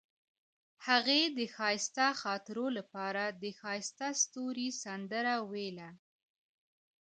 هغې د ښایسته خاطرو لپاره د ښایسته ستوري سندره ویله.